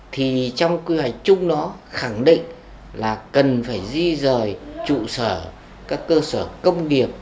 thì trong quy hoạch chung đó khẳng định là cần phải di rời trụ sở các cơ sở công nghiệp